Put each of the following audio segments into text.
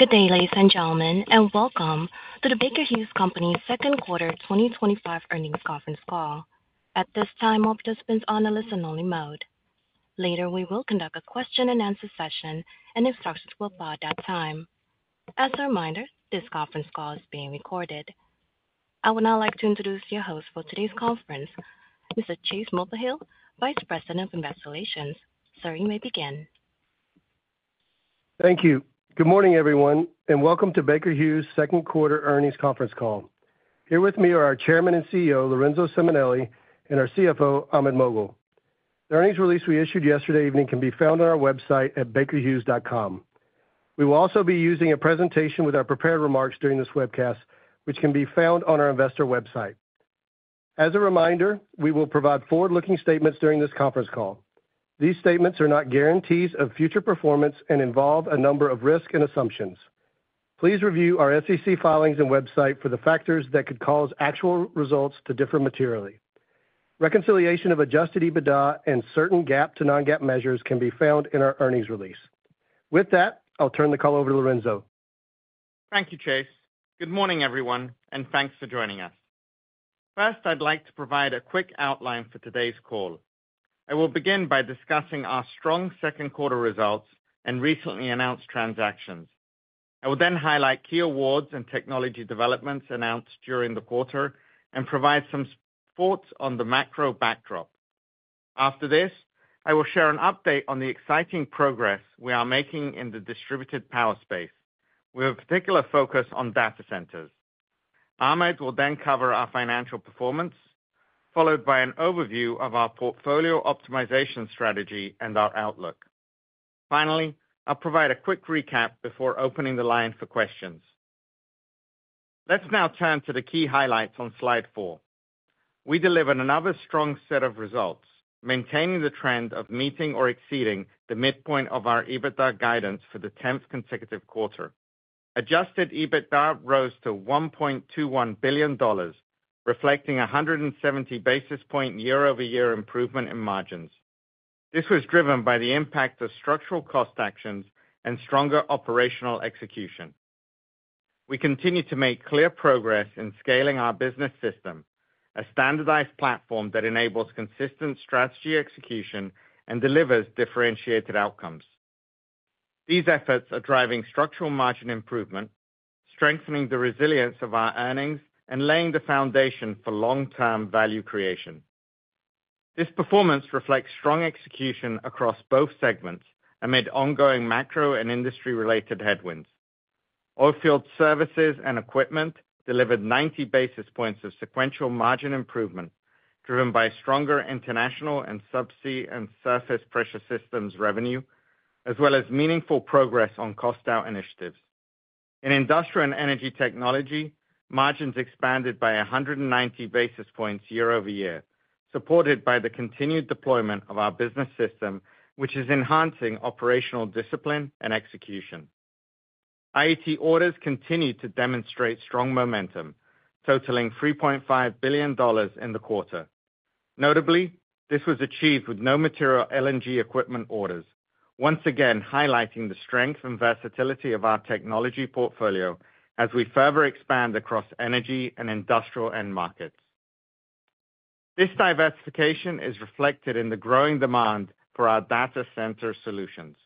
Good day, ladies and gentlemen, and welcome to the Baker Hughes Company's Second Quarter 2025 Earnings Conference Call. At this time, all participants are on a listen-only mode. Later, we will conduct a question-and-answer session, and instructions will follow at that time. As a reminder, this conference call is being recorded. I would now like to introduce your host for today's conference, Mr. Chase Mulvehill, Vice President of Investigations. Sir, you may begin. Thank you. Good morning, everyone, and welcome to Baker Hughes' second quarter earnings conference call. Here with me are our Chairman and CEO, Lorenzo Simonelli, and our CFO, Ahmed Moghal. The earnings release we issued yesterday evening can be found on our website at bakerhughes.com. We will also be using a presentation with our prepared remarks during this webcast, which can be found on our investor website. As a reminder, we will provide forward-looking statements during this conference call. These statements are not guarantees of future performance and involve a number of risks and assumptions. Please review our SEC filings and website for the factors that could cause actual results to differ materially. Reconciliation of adjusted EBITDA and certain GAAP to non-GAAP measures can be found in our earnings release. With that, I'll turn the call over to Lorenzo. Thank you, Chase. Good morning, everyone, and thanks for joining us. First, I'd like to provide a quick outline for today's call. I will begin by discussing our strong second quarter results and recently announced transactions. I will then highlight key awards and technology developments announced during the quarter and provide some thoughts on the macro backdrop. After this, I will share an update on the exciting progress we are making in the distributed power space, with a particular focus on data centers. Ahmed will then cover our financial performance, followed by an overview of our portfolio optimization strategy and our outlook. Finally, I'll provide a quick recap before opening the line for questions. Let's now turn to the key highlights on slide four. We delivered another strong set of results, maintaining the trend of meeting or exceeding the midpoint of our EBITDA guidance for the 10th consecutive quarter. Adjusted EBITDA rose to $1.21 billion, reflecting a 170 basis point year-over-year improvement in margins. This was driven by the impact of structural cost actions and stronger operational execution. We continue to make clear progress in scaling our business system, a standardized platform that enables consistent strategy execution and delivers differentiated outcomes. These efforts are driving structural margin improvement, strengthening the resilience of our earnings, and laying the foundation for long-term value creation. This performance reflects strong execution across both segments amid ongoing macro and industry-related headwinds. Oilfield services and equipment delivered 90 basis points of sequential margin improvement, driven by stronger international and subsea and surface pressure systems revenue, as well as meaningful progress on cost-out initiatives. In industrial and energy technology, margins expanded by 190 basis points year-over-year, supported by the continued deployment of our business system, which is enhancing operational discipline and execution. IET orders continue to demonstrate strong momentum, totaling $3.5 billion in the quarter. Notably, this was achieved with no material LNG equipment orders, once again highlighting the strength and versatility of our technology portfolio as we further expand across energy and industrial end markets. This diversification is reflected in the growing demand for our data center solutions.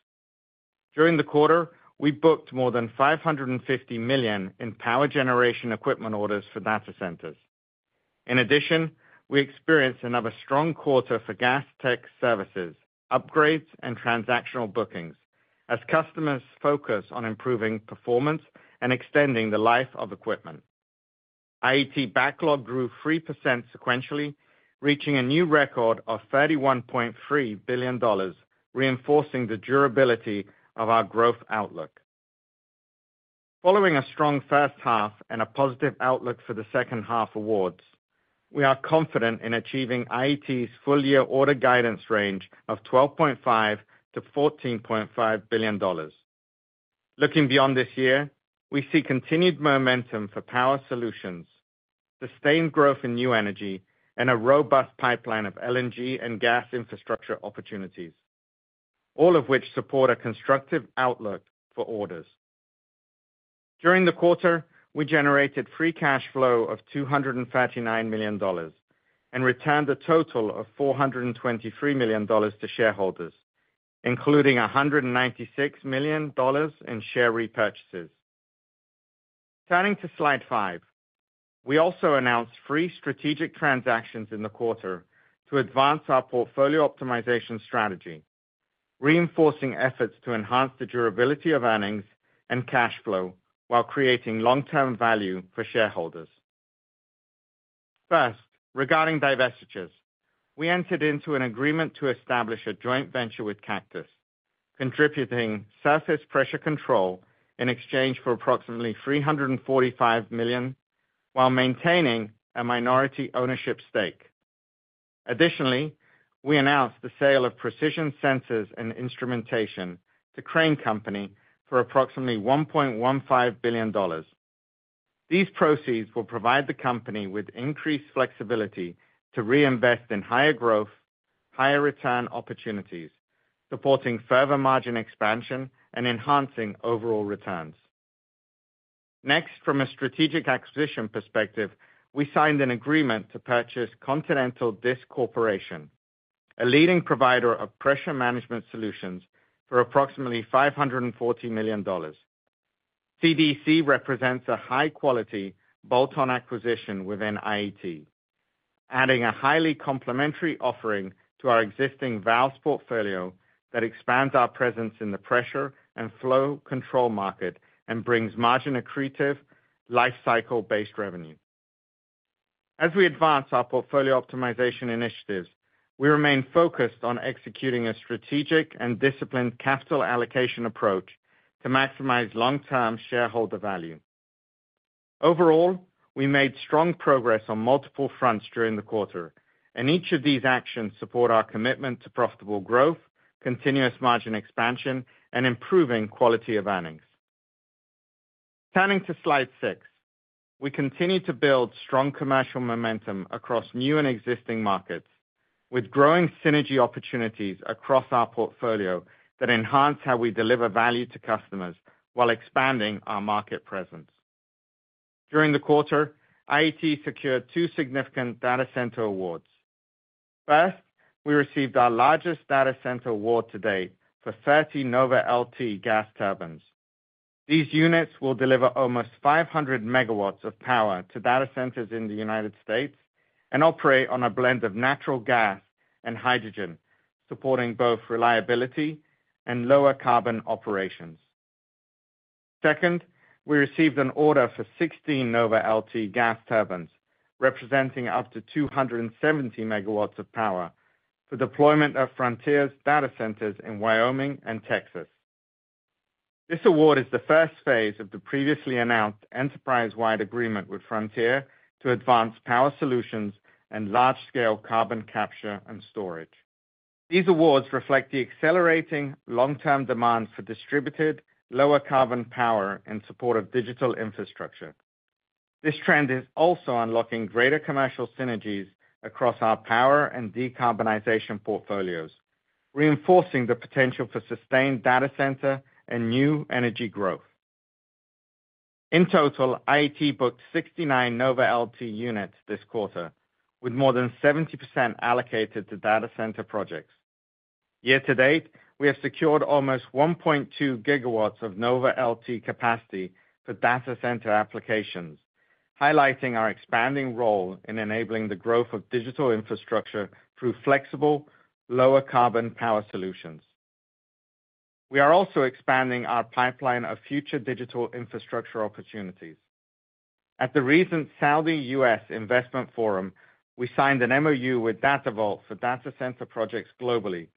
During the quarter, we booked more than $550 million in power generation equipment orders for data centers. In addition, we experienced another strong quarter for gas tech services, upgrades, and transactional bookings, as customers focus on improving performance and extending the life of equipment. IET backlog grew 3% sequentially, reaching a new record of $31.3 billion, reinforcing the durability of our growth outlook. Following a strong first half and a positive outlook for the second half awards, we are confident in achieving IET's full-year order guidance range of $12.5 billion-$14.5 billion. Looking beyond this year, we see continued momentum for power solutions, sustained growth in new energy, and a robust pipeline of LNG and gas infrastructure opportunities, all of which support a constructive outlook for orders. During the quarter, we generated free cash flow of $239 million. Returned a total of $423 million to shareholders, including $196 million in share repurchases. Turning to slide five, we also announced three strategic transactions in the quarter to advance our portfolio optimization strategy, reinforcing efforts to enhance the durability of earnings and cash flow while creating long-term value for shareholders. First, regarding divestitures, we entered into an agreement to establish a joint venture with Cactus, contributing surface pressure control in exchange for approximately $345 million, while maintaining a minority ownership stake. Additionally, we announced the sale of precision sensors and instrumentation to Crane Company. for approximately $1.15 billion. These proceeds will provide the company with increased flexibility to reinvest in higher growth, higher return opportunities, supporting further margin expansion and enhancing overall returns. Next, from a strategic acquisition perspective, we signed an agreement to purchase Continental Disc Corporation, a leading provider of pressure management solutions, for approximately $540 million. Continental Disc Corporation represents a high-quality bolt-on acquisition within IET, adding a highly complementary offering to our existing valve portfolio that expands our presence in the pressure and flow control market and brings margin accretive, lifecycle-based revenue. As we advance our portfolio optimization initiatives, we remain focused on executing a strategic and disciplined capital allocation approach to maximize long-term shareholder value. Overall, we made strong progress on multiple fronts during the quarter, and each of these actions supports our commitment to profitable growth, continuous margin expansion, and improving quality of earnings. Turning to slide six, we continue to build strong commercial momentum across new and existing markets, with growing synergy opportunities across our portfolio that enhance how we deliver value to customers while expanding our market presence. During the quarter, IET secured two significant data center awards. First, we received our largest data center award to date for 30 NovaLT gas turbines. These units will deliver almost 500 megawatts of power to data centers in the United States and operate on a blend of natural gas and hydrogen, supporting both reliability and lower carbon operations. Second, we received an order for 16 NovaLT gas turbines, representing up to 270 MW of power, for deployment at Frontier's data centers in Wyoming and Texas. This award is the first phase of the previously announced enterprise-wide agreement with Frontier to advance power solutions and large-scale carbon capture and storage. These awards reflect the accelerating long-term demand for distributed, lower-carbon power in support of digital infrastructure. This trend is also unlocking greater commercial synergies across our power and decarbonization portfolios, reinforcing the potential for sustained data center and new energy growth. In total, IET booked 69 NovaLT units this quarter, with more than 70% allocated to data center projects. Year to date, we have secured almost 1.2 GW of NovaLT capacity for data center applications, highlighting our expanding role in enabling the growth of digital infrastructure through flexible, lower-carbon power solutions. We are also expanding our pipeline of future digital infrastructure opportunities. At the recent Saudi-U.S. Investment Forum, we signed an MoU with DataVolt for data center projects globally,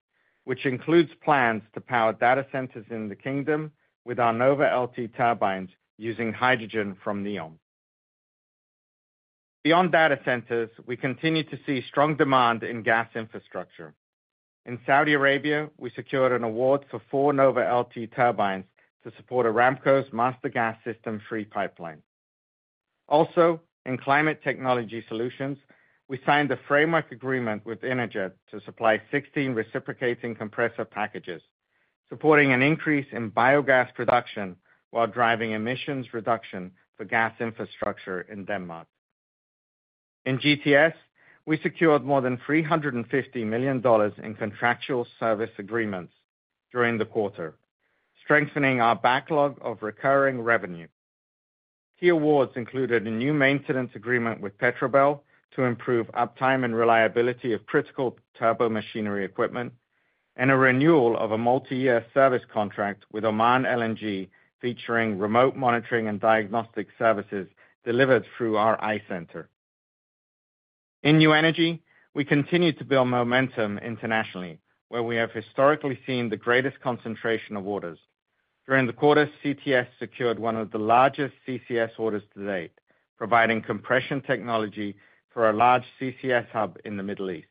which includes plans to power data centers in the Kingdom with our NovaLT turbines using hydrogen from NEOM. Beyond data centers, we continue to see strong demand in gas infrastructure. In Saudi Arabia, we secured an award for four NovaLT turbines to support Aramco's master gas system free pipeline. Also, in climate technology solutions, we signed a framework agreement with [Energet] to supply 16 reciprocating compressor packages, supporting an increase in biogas production while driving emissions reduction for gas infrastructure in Denmark. In GTS, we secured more than $350 million in contractual service agreements during the quarter, strengthening our backlog of recurring revenue. Key awards included a new maintenance agreement with PETROBEL to improve uptime and reliability of critical turbomachinery equipment, and a renewal of a multi-year service contract with Oman LNG, featuring remote monitoring and diagnostic services delivered through our Eye Center. In new energy, we continue to build momentum internationally, where we have historically seen the greatest concentration of orders. During the quarter, CTS secured one of the largest CCS orders to date, providing compression technology for a large CCS hub in the Middle East.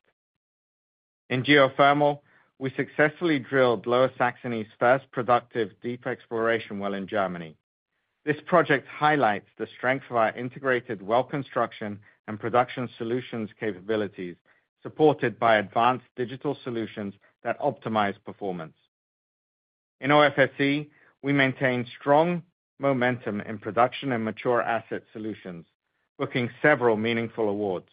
In geothermal, we successfully drilled Lower Saxony's first productive deep exploration well in Germany. This project highlights the strength of our integrated well construction and production solutions capabilities, supported by advanced digital solutions that optimize performance. In OFSE, we maintain strong momentum in production and mature asset solutions, booking several meaningful awards.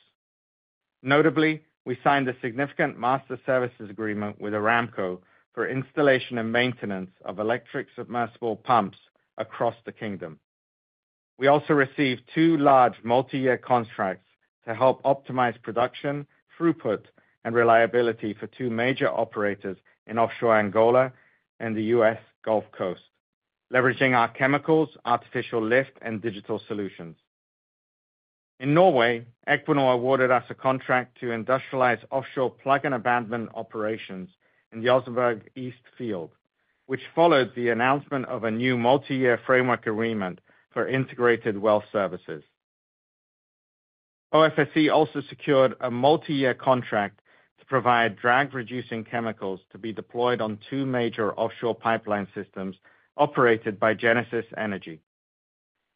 Notably, we signed a significant master services agreement with Aramco for installation and maintenance of electric submersible pumps across the Kingdom. We also received two large multi-year contracts to help optimize production, throughput, and reliability for two major operators in offshore Angola and the U.S. Gulf Coast, leveraging our chemicals, artificial lift, and digital solutions. In Norway, Equinor awarded us a contract to industrialize offshore plug and abandonment operations in the Osnabrück East field, which followed the announcement of a new multi-year framework agreement for integrated well services. OFSE also secured a multi-year contract to provide drag-reducing chemicals to be deployed on two major offshore pipeline systems operated by Genesis Energy.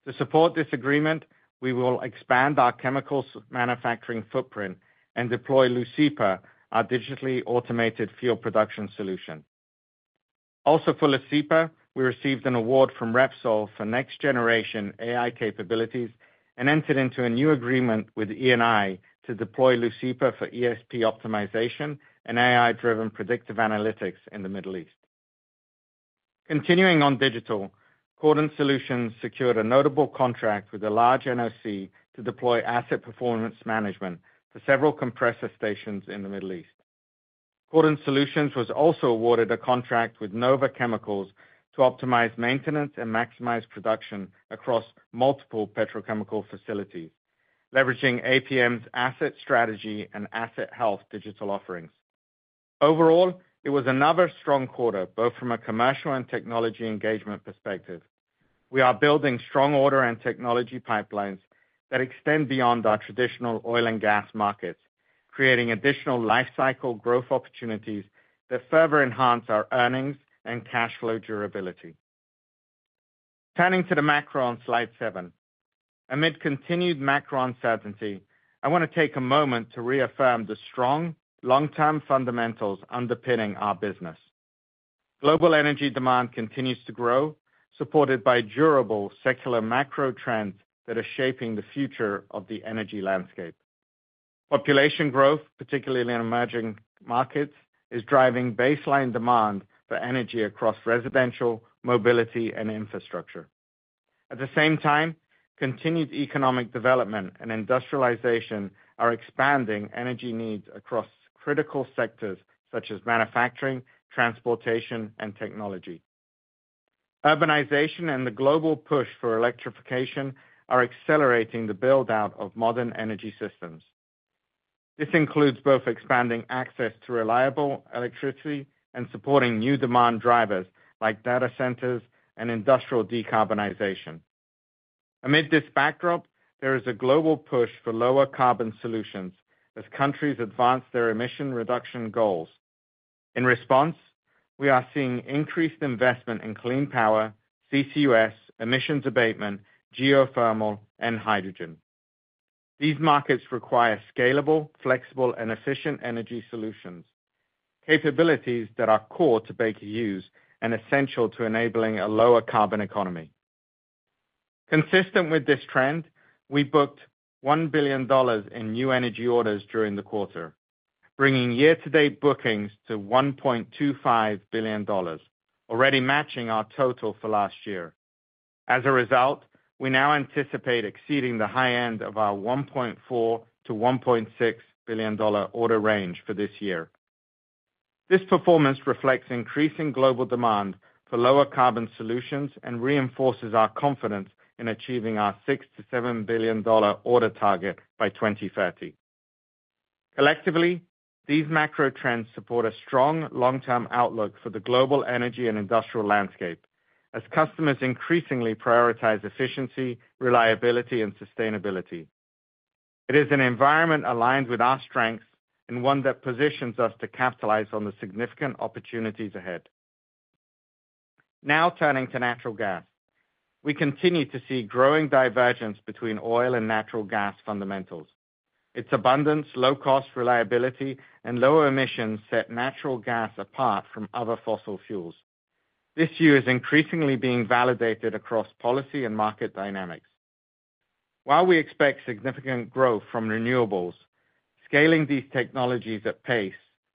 To support this agreement, we will expand our chemicals manufacturing footprint and deploy Leucipa, our digitally automated fuel production solution. Also, for Leucipa, we received an award from Repsol for next-generation AI capabilities and entered into a new agreement with E&I to deploy Leucipa for ESP optimization and AI-driven predictive analytics in the Middle East. Continuing on digital, Cordon Solutions secured a notable contract with a large NOC to deploy asset performance management for several compressor stations in the Middle East. Cordon Solutions was also awarded a contract with Nova Chemicals to optimize maintenance and maximize production across multiple petrochemical facilities, leveraging APM's asset strategy and asset health digital offerings. Overall, it was another strong quarter, both from a commercial and technology engagement perspective. We are building strong order and technology pipelines that extend beyond our traditional oil and gas markets, creating additional lifecycle growth opportunities that further enhance our earnings and cash flow durability. Turning to the macro on slide seven, amid continued macro uncertainty, I want to take a moment to reaffirm the strong long-term fundamentals underpinning our business. Global energy demand continues to grow, supported by durable secular macro trends that are shaping the future of the energy landscape. Population growth, particularly in emerging markets, is driving baseline demand for energy across residential, mobility, and infrastructure. At the same time, continued economic development and industrialization are expanding energy needs across critical sectors such as manufacturing, transportation, and technology. Urbanization and the global push for electrification are accelerating the build-out of modern energy systems. This includes both expanding access to reliable electricity and supporting new demand drivers like data centers and industrial decarbonization. Amid this backdrop, there is a global push for lower carbon solutions as countries advance their emission reduction goals. In response, we are seeing increased investment in clean power, CCUS, emissions abatement, geothermal, and hydrogen. These markets require scalable, flexible, and efficient energy solutions, capabilities that are core to Baker Hughes and essential to enabling a lower carbon economy. Consistent with this trend, we booked $1 billion in new energy orders during the quarter, bringing year-to-date bookings to $1.25 billion, already matching our total for last year. As a result, we now anticipate exceeding the high end of our $1.4 billion-$1.6 billion order range for this year. This performance reflects increasing global demand for lower carbon solutions and reinforces our confidence in achieving our $6 billion-$7 billion order target by 2030. Collectively, these macro trends support a strong long-term outlook for the global energy and industrial landscape, as customers increasingly prioritize efficiency, reliability, and sustainability. It is an environment aligned with our strengths and one that positions us to capitalize on the significant opportunities ahead. Now turning to natural gas, we continue to see growing divergence between oil and natural gas fundamentals. Its abundance, low cost, reliability, and lower emissions set natural gas apart from other fossil fuels. This view is increasingly being validated across policy and market dynamics. While we expect significant growth from renewables, scaling these technologies at pace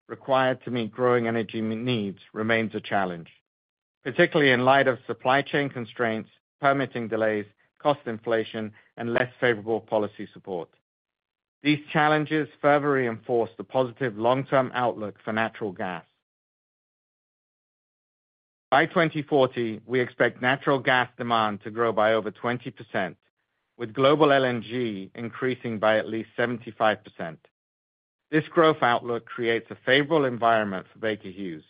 required to meet growing energy needs remains a challenge, particularly in light of supply chain constraints, permitting delays, cost inflation, and less favorable policy support. These challenges further reinforce the positive long-term outlook for natural gas. By 2040, we expect natural gas demand to grow by over 20%, with global LNG increasing by at least 75%. This growth outlook creates a favorable environment for Baker Hughes.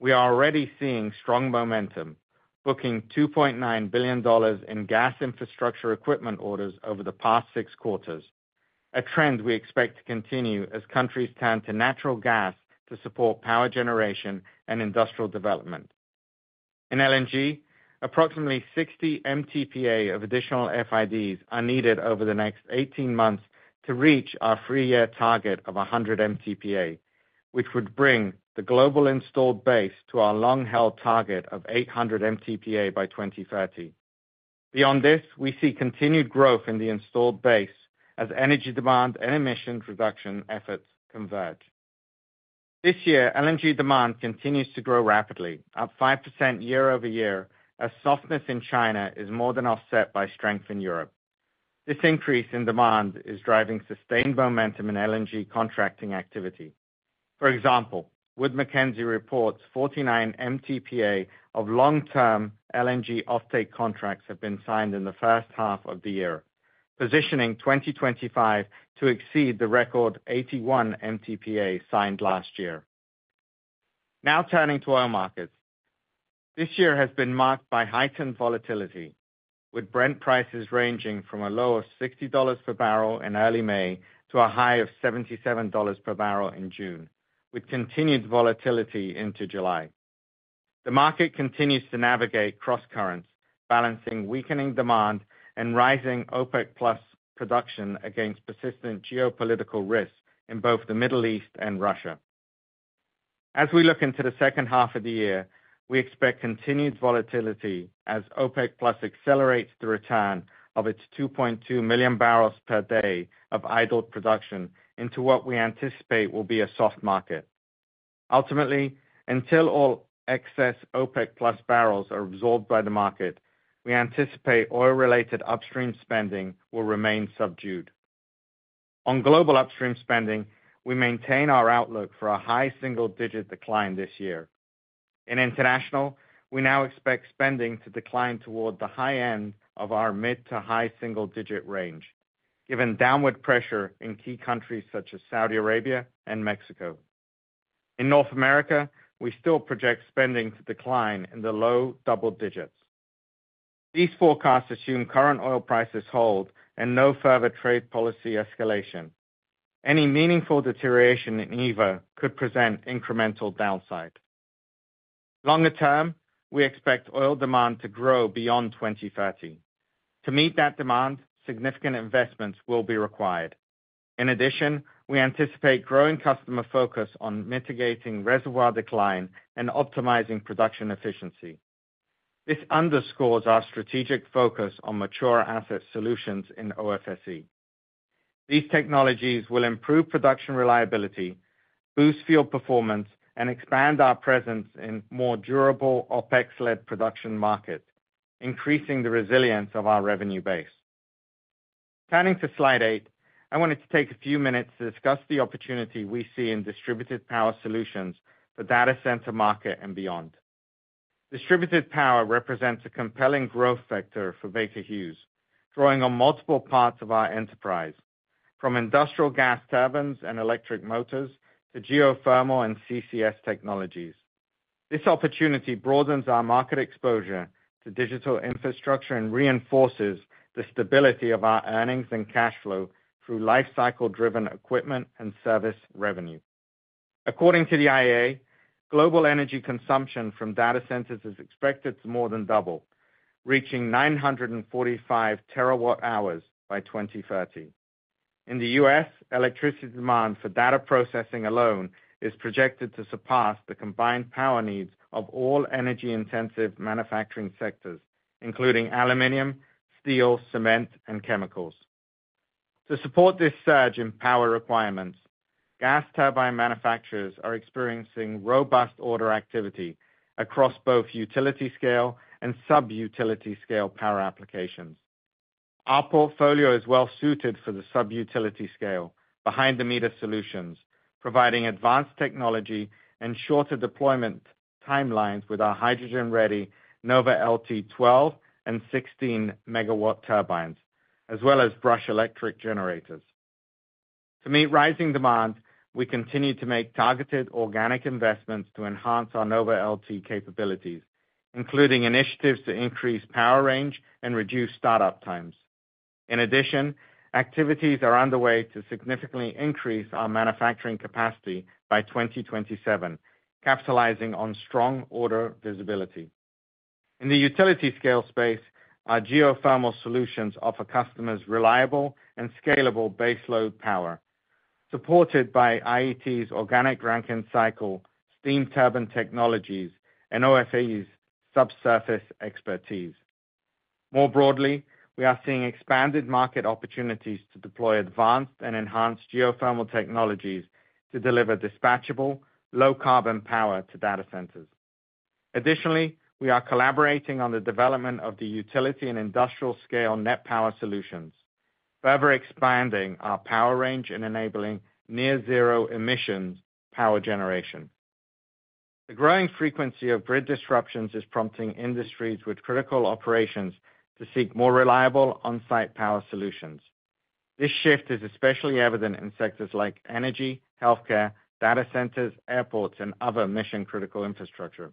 We are already seeing strong momentum, booking $2.9 billion in gas infrastructure equipment orders over the past six quarters, a trend we expect to continue as countries turn to natural gas to support power generation and industrial development. In LNG, approximately 60 MTPA of additional FIDs are needed over the next 18 months to reach our three-year target of 100 MTPA, which would bring the global installed base to our long-held target of 800 MTPA by 2030. Beyond this, we see continued growth in the installed base as energy demand and emissions reduction efforts converge. This year, LNG demand continues to grow rapidly, up 5% year over year, as softness in China is more than offset by strength in Europe. This increase in demand is driving sustained momentum in LNG contracting activity. For example, Wood Mackenzie reports 49 MTPA of long-term LNG offtake contracts have been signed in the first half of the year, positioning 2025 to exceed the record 81 MTPA signed last year. Now turning to oil markets. This year has been marked by heightened volatility, with Brent prices ranging from a low of $60 per barrel in early May to a high of $77 per barrel in June, with continued volatility into July. The market continues to navigate cross-currents, balancing weakening demand and rising OPEC+ production against persistent geopolitical risks in both the Middle East and Russia. As we look into the second half of the year, we expect continued volatility as OPEC+ accelerates the return of its 2.2 million barrels per day of idle production into what we anticipate will be a soft market. Ultimately, until all excess OPEC+ barrels are absorbed by the market, we anticipate oil-related upstream spending will remain subdued. On global upstream spending, we maintain our outlook for a high single-digit decline this year. In international, we now expect spending to decline toward the high end of our mid to high single-digit range, given downward pressure in key countries such as Saudi Arabia and Mexico. In North America, we still project spending to decline in the low double digits. These forecasts assume current oil prices hold and no further trade policy escalation. Any meaningful deterioration in EVA could present incremental downside. Longer term, we expect oil demand to grow beyond 2030. To meet that demand, significant investments will be required. In addition, we anticipate growing customer focus on mitigating reservoir decline and optimizing production efficiency. This underscores our strategic focus on mature asset solutions in OFSE. These technologies will improve production reliability, boost fuel performance, and expand our presence in more durable OPEC-led production markets, increasing the resilience of our revenue base. Turning to slide eight, I wanted to take a few minutes to discuss the opportunity we see in distributed power solutions for data center market and beyond. Distributed power represents a compelling growth factor for Baker Hughes, drawing on multiple parts of our enterprise, from industrial gas turbines and electric motors to geothermal and CCS technologies. This opportunity broadens our market exposure to digital infrastructure and reinforces the stability of our earnings and cash flow through lifecycle-driven equipment and service revenue. According to the IEA, global energy consumption from data centers is expected to more than double, reaching 945 terawatt hours by 2030. In the U.S., electricity demand for data processing alone is projected to surpass the combined power needs of all energy-intensive manufacturing sectors, including aluminum, steel, cement, and chemicals. To support this surge in power requirements, gas turbine manufacturers are experiencing robust order activity across both utility scale and sub-utility scale power applications. Our portfolio is well suited for the sub-utility scale behind the meter solutions, providing advanced technology and shorter deployment timelines with our hydrogen-ready NovaLT 12 and 16 MW turbines, as well as BRUSH Electric Generators. To meet rising demand, we continue to make targeted organic investments to enhance our NovaLT capabilities, including initiatives to increase power range and reduce startup times. In addition, activities are underway to significantly increase our manufacturing capacity by 2027, capitalizing on strong order visibility. In the utility scale space, our geothermal solutions offer customers reliable and scalable base load power, supported by IET's Organic Rankine Cycle, steam turbine technologies, and OFE's subsurface expertise. More broadly, we are seeing expanded market opportunities to deploy advanced and enhanced geothermal technologies to deliver dispatchable, low-carbon power to data centers. Additionally, we are collaborating on the development of the utility and industrial scale net power solutions, further expanding our power range and enabling near-zero emissions power generation. The growing frequency of grid disruptions is prompting industries with critical operations to seek more reliable on-site power solutions. This shift is especially evident in sectors like energy, healthcare, data centers, airports, and other mission-critical infrastructure,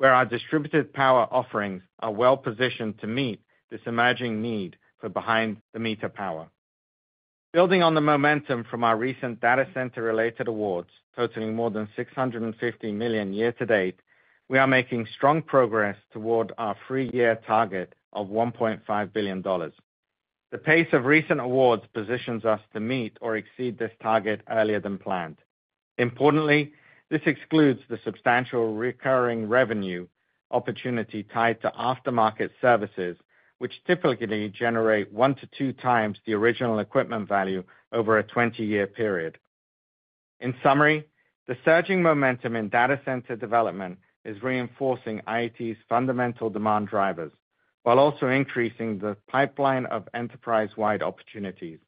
where our distributed power offerings are well positioned to meet this emerging need for behind-the-meter power. Building on the momentum from our recent data center-related awards, totaling more than $650 million year-to-date, we are making strong progress toward our three-year target of $1.5 billion. The pace of recent awards positions us to meet or exceed this target earlier than planned. Importantly, this excludes the substantial recurring revenue opportunity tied to aftermarket services, which typically generate one to two times the original equipment value over a 20-year period. In summary, the surging momentum in data center development is reinforcing IET's fundamental demand drivers while also increasing the pipeline of enterprise-wide opportunities.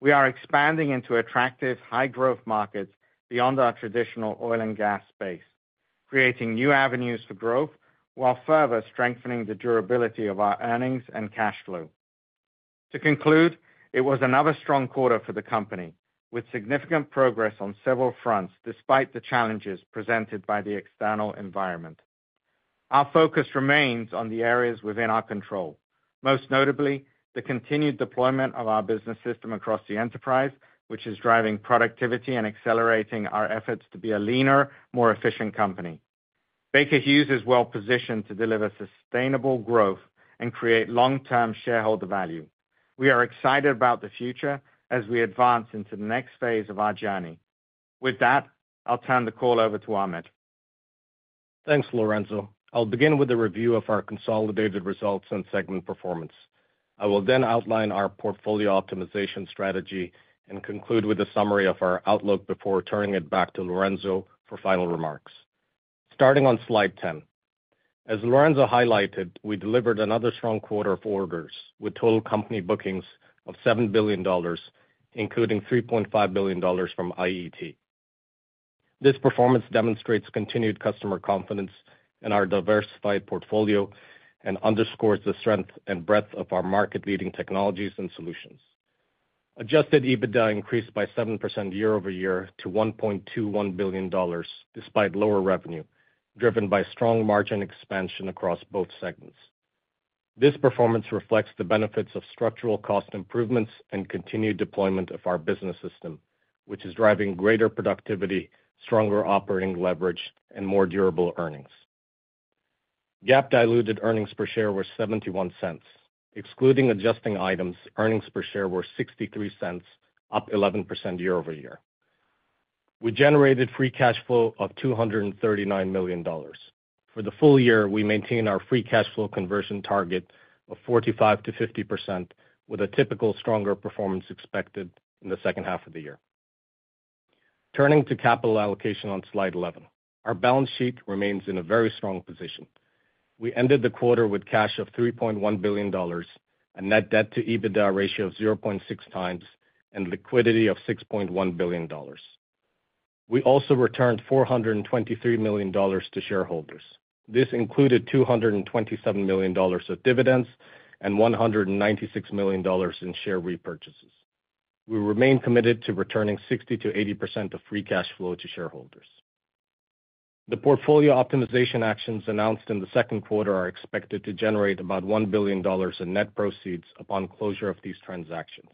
We are expanding into attractive high-growth markets beyond our traditional oil and gas space, creating new avenues for growth while further strengthening the durability of our earnings and cash flow. To conclude, it was another strong quarter for the company, with significant progress on several fronts despite the challenges presented by the external environment. Our focus remains on the areas within our control, most notably the continued deployment of our business system across the enterprise, which is driving productivity and accelerating our efforts to be a leaner, more efficient company. Baker Hughes is well positioned to deliver sustainable growth and create long-term shareholder value. We are excited about the future as we advance into the next phase of our journey. With that, I'll turn the call over to Ahmed. Thanks, Lorenzo. I'll begin with a review of our consolidated results and segment performance. I will then outline our portfolio optimization strategy and conclude with a summary of our outlook before turning it back to Lorenzo for final remarks. Starting on slide 10, as Lorenzo highlighted, we delivered another strong quarter of orders with total company bookings of $7 billion, including $3.5 billion from IET. This performance demonstrates continued customer confidence in our diversified portfolio and underscores the strength and breadth of our market-leading technologies and solutions. Adjusted EBITDA increased by 7% year-over-year to $1.21 billion, despite lower revenue, driven by strong margin expansion across both segments. This performance reflects the benefits of structural cost improvements and continued deployment of our business system, which is driving greater productivity, stronger operating leverage, and more durable earnings. GAAP-diluted earnings per share were $0.71. Excluding adjusting items, earnings per share were $0.63, up one one% year-over-year. We generated free cash flow of $239 million. For the full year, we maintain our free cash flow conversion target of 45%-50%, with a typical stronger performance expected in the second half of the year. Turning to capital allocation on slide one one, our balance sheet remains in a very strong position. We ended the quarter with cash of $3.1 billion, a net debt-to-EBITDA ratio of 0.6 times, and liquidity of $6.1 billion. We also returned $423 million to shareholders. This included $227 million of dividends and $196 million in share repurchases. We remain committed to returning 60%-80% of free cash flow to shareholders. The portfolio optimization actions announced in the second quarter are expected to generate about $1 billion in net proceeds upon closure of these transactions,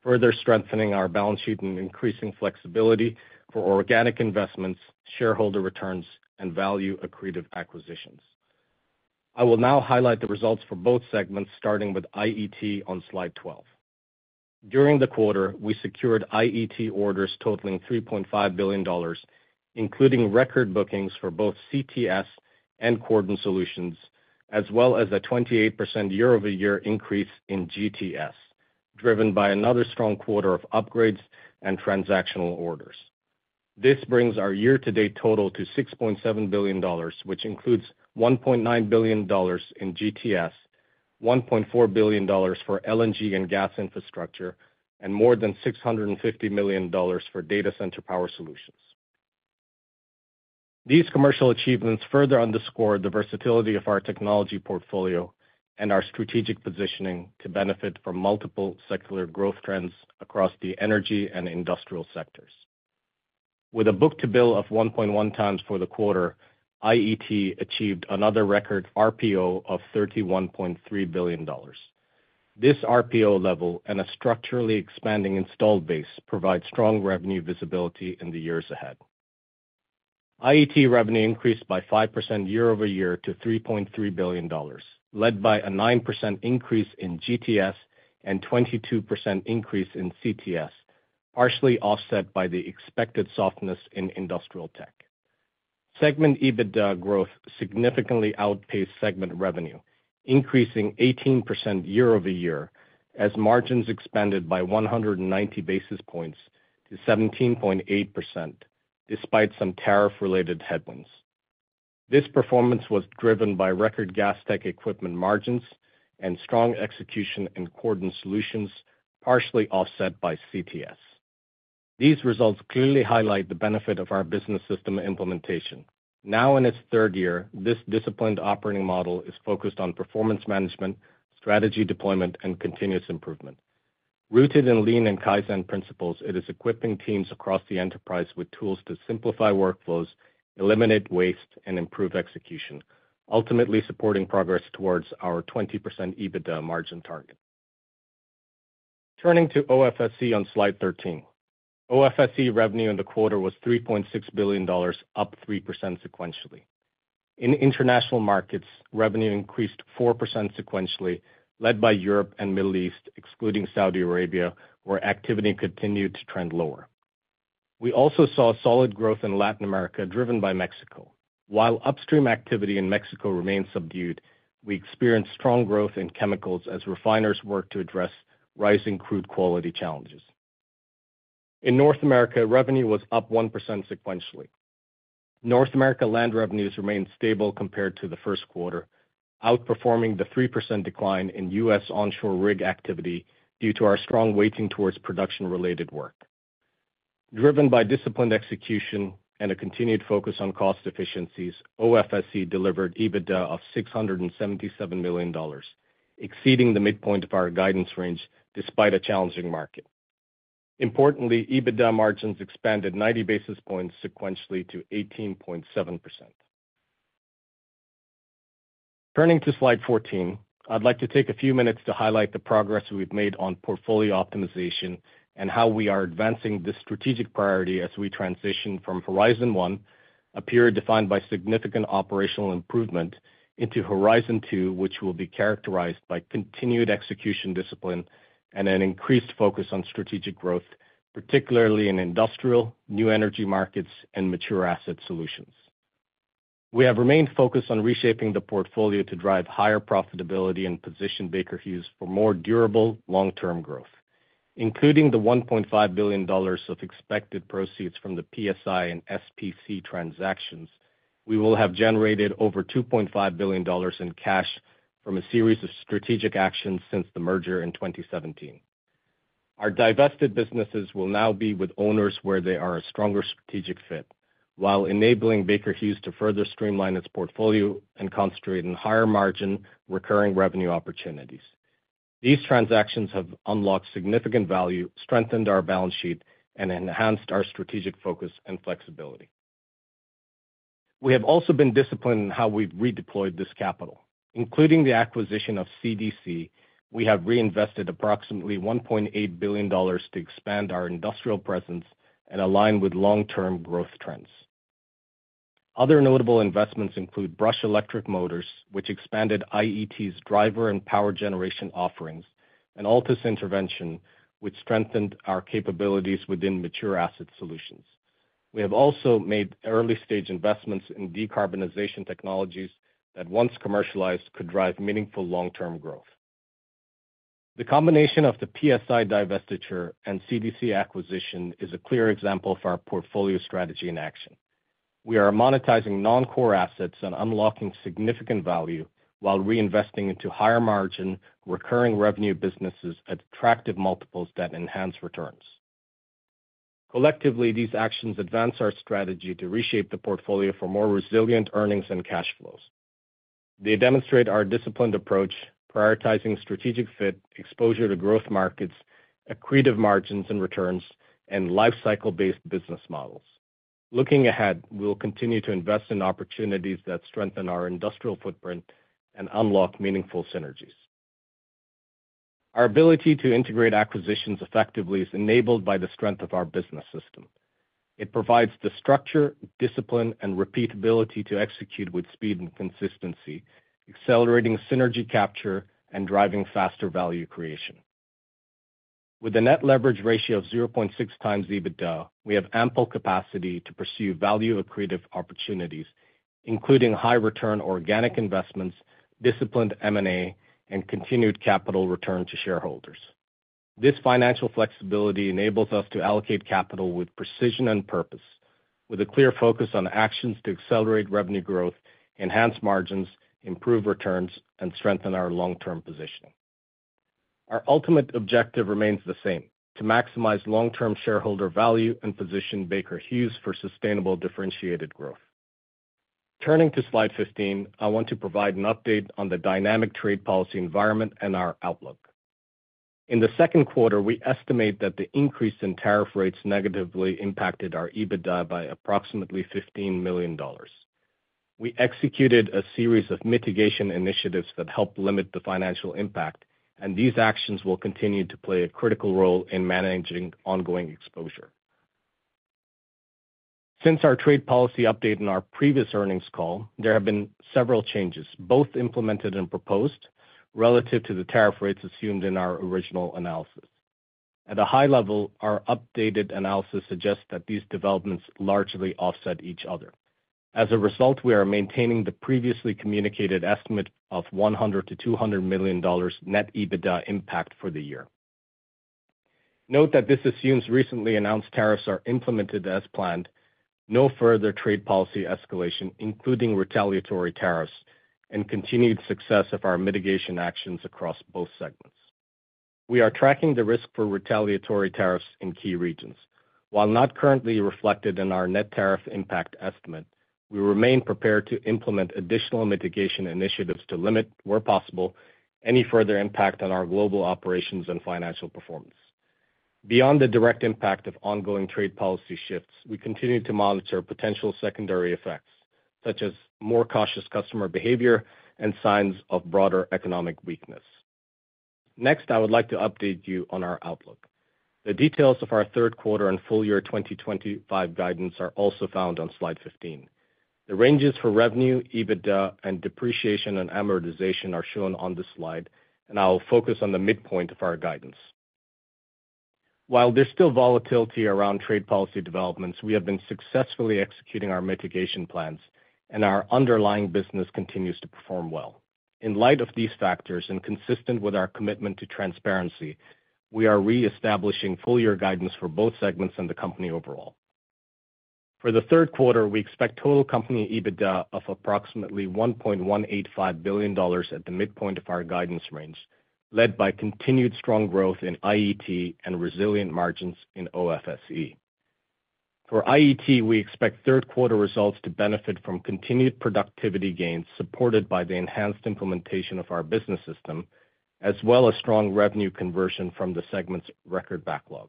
further strengthening our balance sheet and increasing flexibility for organic investments, shareholder returns, and value-accretive acquisitions. I will now highlight the results for both segments, starting with IET on slide 12. During the quarter, we secured IET orders totaling $3.5 billion, including record bookings for both CTS and Cordon Solutions, as well as a 28% year-over-year increase in GTS, driven by another strong quarter of upgrades and transactional orders. This brings our year-to-date total to $6.7 billion, which includes $1.9 billion in GTS, $1.4 billion for LNG and gas infrastructure, and more than $650 million for data center power solutions. These commercial achievements further underscore the versatility of our technology portfolio and our strategic positioning to benefit from multiple secular growth trends across the energy and industrial sectors. With a book-to-bill of 1.1 times for the quarter, IET achieved another record RPO of $31.3 billion. This RPO level and a structurally expanding installed base provide strong revenue visibility in the years ahead. IET revenue increased by 5% year-over-year to $3.3 billion, led by a 9% increase in GTS and a 22% increase in CTS, partially offset by the expected softness in industrial tech. Segment EBITDA growth significantly outpaced segment revenue, increasing 18% year-over-year as margins expanded by 190 basis points to 17.8%, despite some tariff-related headwinds. This performance was driven by record gas tech equipment margins and strong execution in Cordon Solutions, partially offset by CTS. These results clearly highlight the benefit of our business system implementation. Now in its third year, this disciplined operating model is focused on performance management, strategy deployment, and continuous improvement. Rooted in lean and Kaizen principles, it is equipping teams across the enterprise with tools to simplify workflows, eliminate waste, and improve execution, ultimately supporting progress towards our 20% EBITDA margin target. Turning to OFSE on slide 13, OFSE revenue in the quarter was $3.6 billion, up 3% sequentially. In international markets, revenue increased 4% sequentially, led by Europe and the Middle East, excluding Saudi Arabia, where activity continued to trend lower. We also saw solid growth in Latin America, driven by Mexico. While upstream activity in Mexico remained subdued, we experienced strong growth in chemicals as refiners worked to address rising crude quality challenges. In North America, revenue was up 1% sequentially. North America land revenues remained stable compared to the first quarter, outperforming the 3% decline in US onshore rig activity due to our strong weighting towards production-related work. Driven by disciplined execution and a continued focus on cost efficiencies, OFSE delivered EBITDA of $677 million, exceeding the midpoint of our guidance range despite a challenging market. Importantly, EBITDA margins expanded 90 basis points sequentially to 18.7%. Turning to slide 14, I'd like to take a few minutes to highlight the progress we've made on portfolio optimization and how we are advancing this strategic priority as we transition from Horizon 1, a period defined by significant operational improvement, into Horizon 2, which will be characterized by continued execution discipline and an increased focus on strategic growth, particularly in industrial, new energy markets, and mature asset solutions. We have remained focused on reshaping the portfolio to drive higher profitability and position Baker Hughes for more durable long-term growth. Including the $1.5 billion of expected proceeds from the PSI and SPC transactions, we will have generated over $2.5 billion in cash from a series of strategic actions since the merger in 2017. Our divested businesses will now be with owners where they are a stronger strategic fit, while enabling Baker Hughes to further streamline its portfolio and concentrate in higher margin recurring revenue opportunities. These transactions have unlocked significant value, strengthened our balance sheet, and enhanced our strategic focus and flexibility. We have also been disciplined in how we've redeployed this capital. Including the acquisition of CDC, we have reinvested approximately $1.8 billion to expand our industrial presence and align with long-term growth trends. Other notable investments include BRUSH Electric Motors, which expanded IET's driver and power generation offerings, and Altus Intervention, which strengthened our capabilities within mature asset solutions. We have also made early-stage investments in decarbonization technologies that, once commercialized, could drive meaningful long-term growth. The combination of the PSI divestiture and CDC acquisition is a clear example of our portfolio strategy in action. We are monetizing non-core assets and unlocking significant value while reinvesting into higher-margin, recurring-revenue businesses at attractive multiples that enhance returns. Collectively, these actions advance our strategy to reshape the portfolio for more resilient earnings and cash flows. They demonstrate our disciplined approach, prioritizing strategic fit, exposure to growth markets, accretive margins and returns, and lifecycle-based business models. Looking ahead, we'll continue to invest in opportunities that strengthen our industrial footprint and unlock meaningful synergies. Our ability to integrate acquisitions effectively is enabled by the strength of our business system. It provides the structure, discipline, and repeatability to execute with speed and consistency, accelerating synergy capture and driving faster value creation. With a net leverage ratio of 0.6 times EBITDA, we have ample capacity to pursue value-accretive opportunities, including high-return organic investments, disciplined M&A, and continued capital return to shareholders. This financial flexibility enables us to allocate capital with precision and purpose, with a clear focus on actions to accelerate revenue growth, enhance margins, improve returns, and strengthen our long-term position. Our ultimate objective remains the same: to maximize long-term shareholder value and position Baker Hughes for sustainable differentiated growth. Turning to slide 15, I want to provide an update on the dynamic trade policy environment and our outlook. In the second quarter, we estimate that the increase in tariff rates negatively impacted our EBITDA by approximately $15 million. We executed a series of mitigation initiatives that helped limit the financial impact, and these actions will continue to play a critical role in managing ongoing exposure. Since our trade policy update in our previous earnings call, there have been several changes, both implemented and proposed, relative to the tariff rates assumed in our original analysis. At a high level, our updated analysis suggests that these developments largely offset each other. As a result, we are maintaining the previously communicated estimate of $100 million-$200 million net EBITDA impact for the year. Note that this assumes recently announced tariffs are implemented as planned, no further trade policy escalation, including retaliatory tariffs, and continued success of our mitigation actions across both segments. We are tracking the risk for retaliatory tariffs in key regions. While not currently reflected in our net tariff impact estimate, we remain prepared to implement additional mitigation initiatives to limit, where possible, any further impact on our global operations and financial performance. Beyond the direct impact of ongoing trade policy shifts, we continue to monitor potential secondary effects, such as more cautious customer behavior and signs of broader economic weakness. Next, I would like to update you on our outlook. The details of our third quarter and full year 2025 guidance are also found on slide 15. The ranges for revenue, EBITDA, and depreciation and amortization are shown on this slide, and I will focus on the midpoint of our guidance. While there's still volatility around trade policy developments, we have been successfully executing our mitigation plans, and our underlying business continues to perform well. In light of these factors and consistent with our commitment to transparency, we are reestablishing full year guidance for both segments and the company overall. For the third quarter, we expect total company EBITDA of approximately $1.185 billion at the midpoint of our guidance range, led by continued strong growth in IET and resilient margins in OFSE. For IET, we expect third quarter results to benefit from continued productivity gains supported by the enhanced implementation of our business system, as well as strong revenue conversion from the segment's record backlog.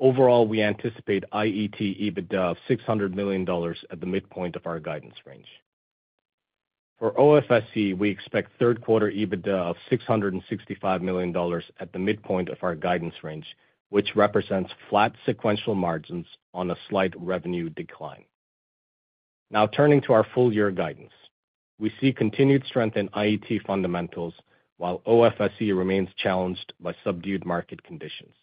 Overall, we anticipate IET EBITDA of $600 million at the midpoint of our guidance range. For OFSE, we expect third quarter EBITDA of $665 million at the midpoint of our guidance range, which represents flat sequential margins on a slight revenue decline. Now turning to our full year guidance, we see continued strength in IET fundamentals, while OFSE remains challenged by subdued market conditions.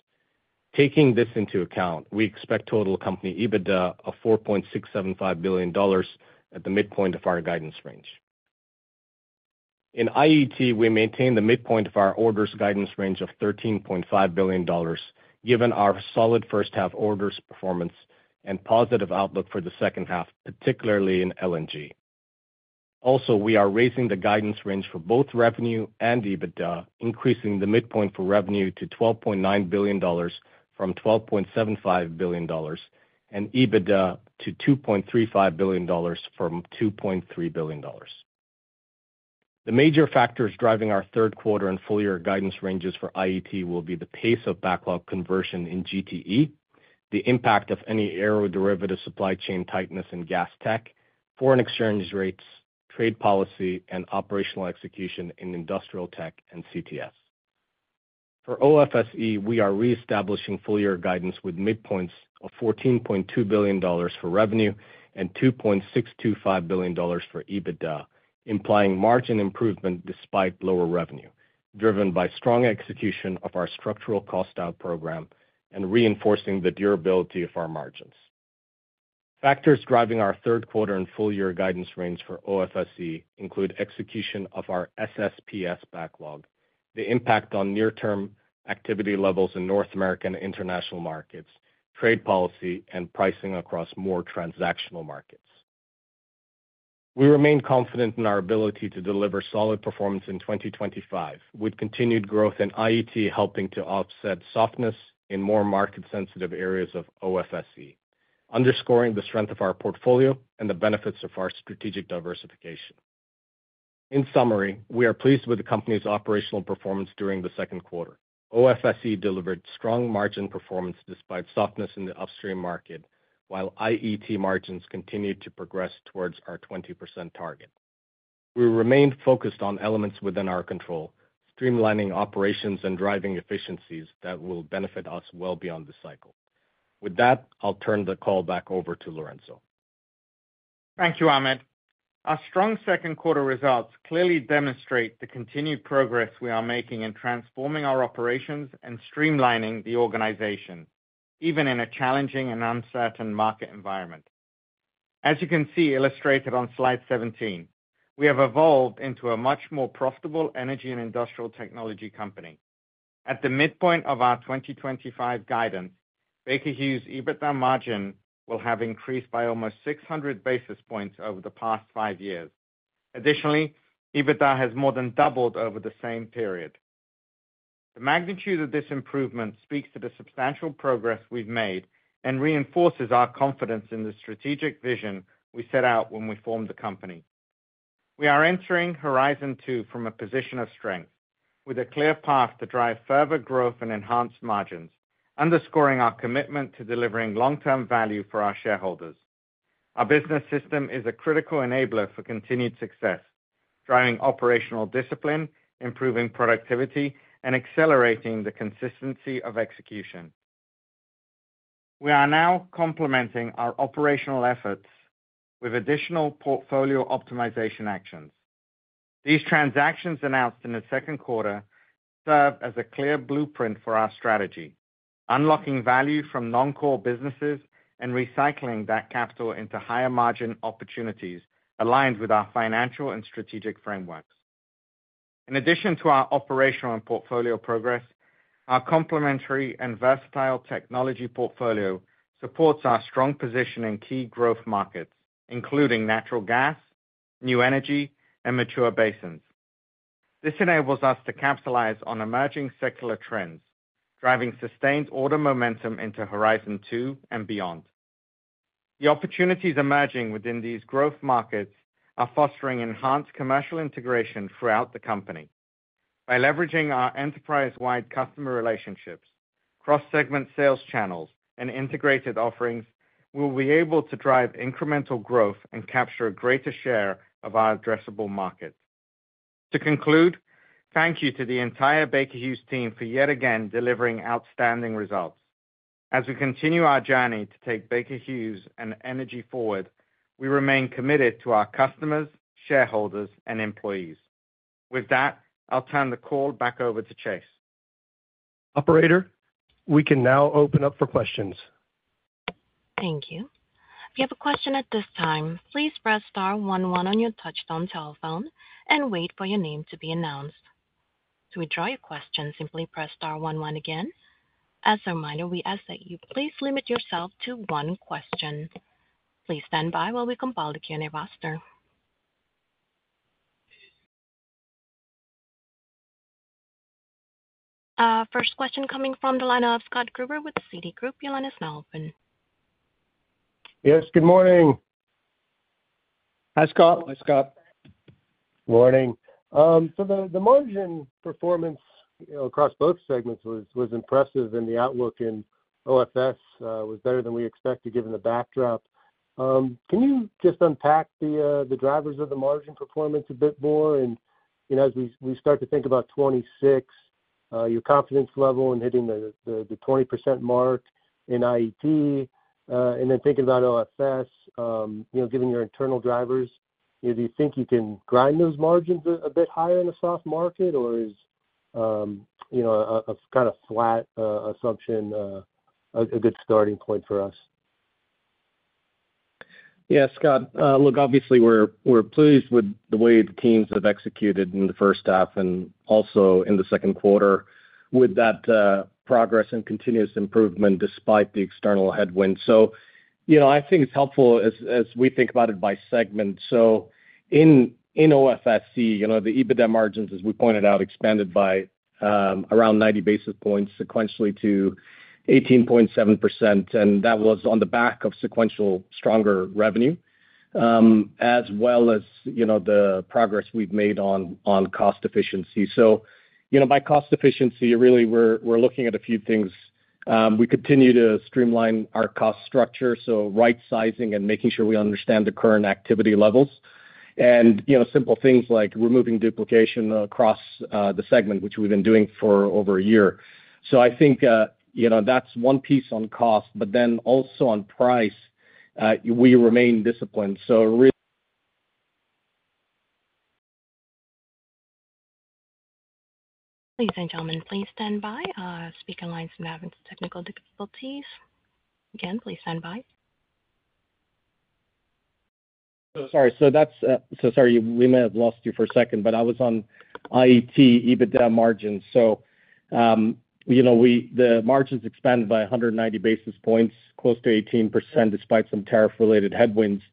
Taking this into account, we expect total company EBITDA of $4.675 billion at the midpoint of our guidance range. In IET, we maintain the midpoint of our orders guidance range of $13.5 billion, given our solid first-half orders performance and positive outlook for the second half, particularly in LNG. Also, we are raising the guidance range for both revenue and EBITDA, increasing the midpoint for revenue to $12.9 billion from $12.75 billion and EBITDA to $2.35 billion from $2.3 billion. The major factors driving our third quarter and full year guidance ranges for IET will be the pace of backlog conversion in GTE, the impact of any aeroderivative supply chain tightness in gas tech, foreign exchange rates, trade policy, and operational execution in industrial tech and CTS. For OFSE, we are reestablishing full year guidance with midpoints of $14.2 billion for revenue and $2.625 billion for EBITDA, implying margin improvement despite lower revenue, driven by strong execution of our structural cost-out program and reinforcing the durability of our margins. Factors driving our third quarter and full year guidance range for OFSE include execution of our SSPS backlog, the impact on near-term activity levels in North American and international markets, trade policy, and pricing across more transactional markets. We remain confident in our ability to deliver solid performance in 2025, with continued growth in IET helping to offset softness in more market-sensitive areas of OFSE, underscoring the strength of our portfolio and the benefits of our strategic diversification. In summary, we are pleased with the company's operational performance during the second quarter. OFSE delivered strong margin performance despite softness in the upstream market, while IET margins continued to progress towards our 20% target. We remained focused on elements within our control, streamlining operations and driving efficiencies that will benefit us well beyond the cycle. With that, I'll turn the call back over to Lorenzo. Thank you, Ahmed. Our strong second quarter results clearly demonstrate the continued progress we are making in transforming our operations and streamlining the organization, even in a challenging and uncertain market environment. As you can see illustrated on slide 17, we have evolved into a much more profitable energy and industrial technology company. At the midpoint of our 2025 guidance, Baker Hughes' EBITDA margin will have increased by almost 600 basis points over the past five years. Additionally, EBITDA has more than doubled over the same period. The magnitude of this improvement speaks to the substantial progress we've made and reinforces our confidence in the strategic vision we set out when we formed the company. We are entering horizon two from a position of strength, with a clear path to drive further growth and enhanced margins, underscoring our commitment to delivering long-term value for our shareholders. Our business system is a critical enabler for continued success, driving operational discipline, improving productivity, and accelerating the consistency of execution. We are now complementing our operational efforts with additional portfolio optimization actions. These transactions announced in the second quarter serve as a clear blueprint for our strategy, unlocking value from non-core businesses and recycling that capital into higher-margin opportunities aligned with our financial and strategic frameworks. In addition to our operational and portfolio progress, our complementary and versatile technology portfolio supports our strong position in key growth markets, including natural gas, new energy, and mature basins. This enables us to capitalize on emerging secular trends, driving sustained order momentum into Horizon 2 and beyond. The opportunities emerging within these growth markets are fostering enhanced commercial integration throughout the company. By leveraging our enterprise-wide customer relationships, cross-segment sales channels, and integrated offerings, we will be able to drive incremental growth and capture a greater share of our addressable market. To conclude, thank you to the entire Baker Hughes team for yet again delivering outstanding results. As we continue our journey to take Baker Hughes and energy forward, we remain committed to our customers, shareholders, and employees. With that, I'll turn the call back over to Chase. Operator, we can now open up for questions. Thank you. If you have a question at this time, please press star one one on your touchstone telephone and wait for your name to be announced. To withdraw your question, simply press star one one again. As a reminder, we ask that you please limit yourself to one question. Please stand by while we compile the Q&A roster. First question coming from the line of Scott Gruber with Citigroup, your line is open. Yes, good morning. Hi, Scott. Hi, Scott. Good morning. The margin performance across both segments was impressive, and the outlook in OFS was better than we expected given the backdrop. Can you just unpack the drivers of the margin performance a bit more? As we start to think about 2026, your confidence level in hitting the 20% mark in IET, and then thinking about OFS, given your internal drivers, do you think you can grind those margins a bit higher in a soft market, or is a kind of flat assumption a good starting point for us? Yeah, Scott, look, obviously, we're pleased with the way the teams have executed in the first half and also in the second quarter with that progress and continuous improvement despite the external headwinds. I think it's helpful as we think about it by segment. In OFSE, the EBITDA margins, as we pointed out, expanded by around 90 basis points sequentially to 18.7%. That was on the back of sequential stronger revenue as well as the progress we've made on cost efficiency. By cost efficiency, really, we're looking at a few things. We continue to streamline our cost structure, so right-sizing and making sure we understand the current activity levels, and simple things like removing duplication across the segment, which we've been doing for over a year. I think that's one piece on cost, but then also on price. We remain disciplined. Ladies and gentlemen, please stand by. Speaker line's now having some technical difficulties. Again, please stand by. Sorry. So sorry, we may have lost you for a second, but I was on IET EBITDA margins. The margins expanded by 190 basis points, close to 18% despite some tariff-related headwinds.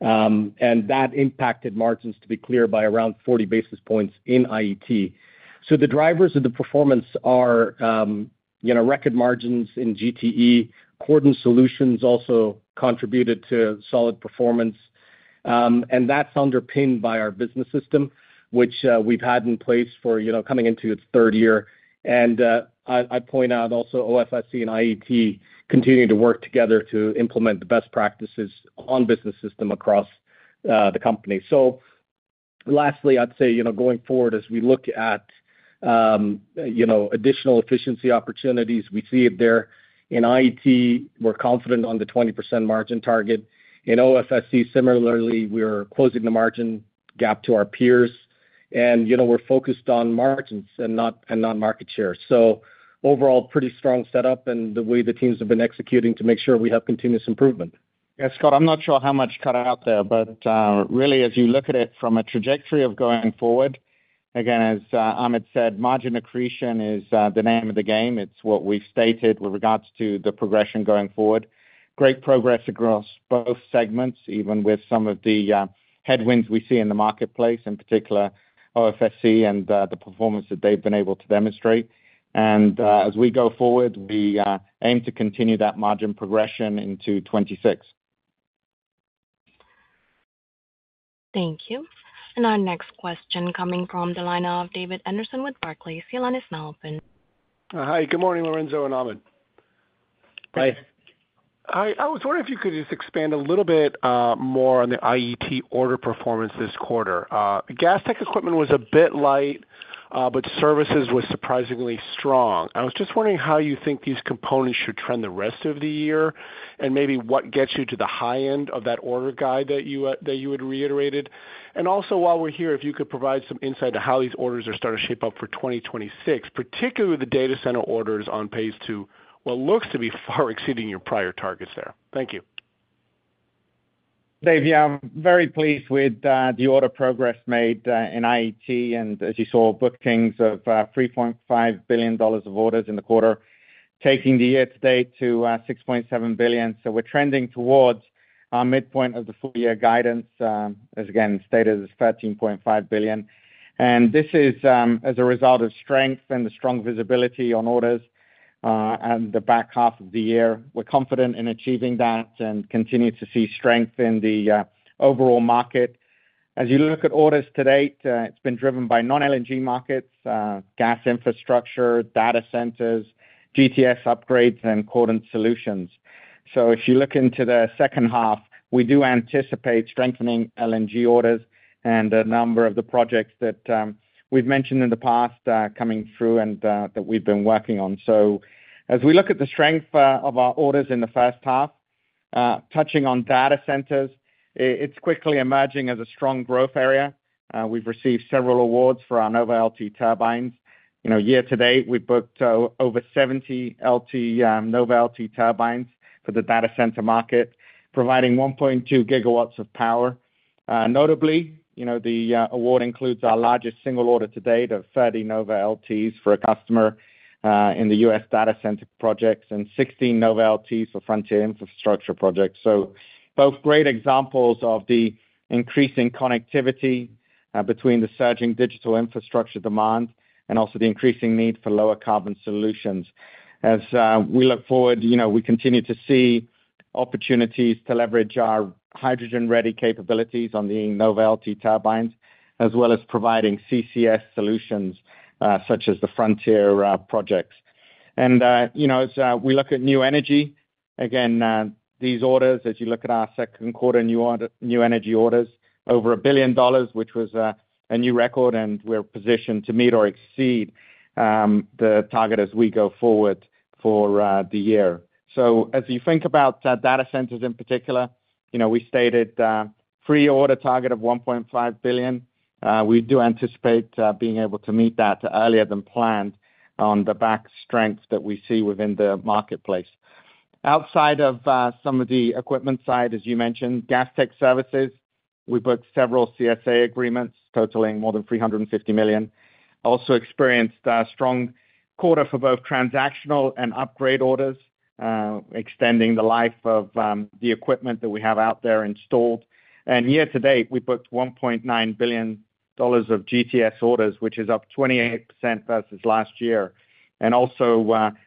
That impacted margins, to be clear, by around 40 basis points in IET. The drivers of the performance are record margins in GTE. Cordon Solutions also contributed to solid performance. That's underpinned by our business system, which we've had in place for coming into its third year. I point out also OFSE and IET continuing to work together to implement the best practices on the business system across the company. Lastly, I'd say going forward, as we look at additional efficiency opportunities, we see it there. In IET, we're confident on the 20% margin target. In OFSE, similarly, we're closing the margin gap to our peers. We're focused on margins and not market share. Overall, pretty strong setup and the way the teams have been executing to make sure we have continuous improvement. Yeah, Scott, I'm not sure how much cut out there, but really, as you look at it from a trajectory of going forward, again, as Ahmed said, margin accretion is the name of the game. It's what we've stated with regards to the progression going forward. Great progress across both segments, even with some of the headwinds we see in the marketplace, in particular OFSE and the performance that they've been able to demonstrate. As we go forward, we aim to continue that margin progression into 2026. Thank you. Our next question coming from the line of David Anderson with Barclays, your line is open. Also, while we're here, if you could provide some insight to how these orders are starting to shape up for 2026, particularly with the data center orders on phase two, what looks to be far exceeding your prior targets there. Thank you. Dave, yeah, I'm very pleased with the order progress made in IET and, as you saw, bookings of $3.5 billion of orders in the quarter, taking the year to date to $6.7 billion. We're trending towards our midpoint of the full year guidance, as again stated, is $13.5 billion. This is as a result of strength and the strong visibility on orders in the back half of the year. We're confident in achieving that and continue to see strength in the overall market. As you look at orders today, it's been driven by non-LNG markets, gas infrastructure, data centers, GTS upgrades, and Cordon Solutions. Also, while we're here, if you could provide some insight to how these orders are starting to shape up for 2026, particularly with the data center orders on phase two, what looks to be far exceeding your prior targets there. Thank you. Dave, yeah, I'm very pleased with the order progress made in IET and, as you saw, bookings of $3.5 billion of orders in the quarter, taking the year to date to $6.7 billion. We're trending towards our midpoint of the full year guidance, as again stated, is $13.5 billion. This is as a result of strength and the strong visibility on orders in the back half of the year. We're confident in achieving that and continue to see strength in the overall market. As you look at orders today, it's been driven by non-LNG markets, gas infrastructure, data centers, GTS upgrades, and Cordon Solutions. Extending the life of the equipment that we have out there installed. And year to date, we booked $1.9 billion of GTS orders, which is up 28% versus last year. Also,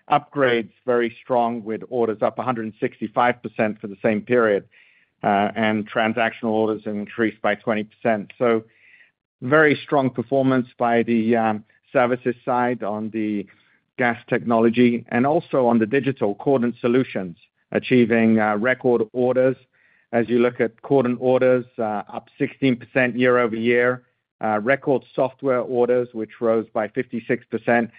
upgrades very strong with orders up 165% for the same period. Transactional orders have increased by 20%. Very strong performance by the services side on the gas technology and also on the digital Cordon Solutions, achieving record orders. As you look at Cordon orders, up 16% year over year, record software orders, which rose by 56%.